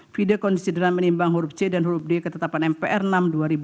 fide kondisidenan menimbang huruf c dan huruf d ketetapan mpr no enam dua ribu dua puluh satu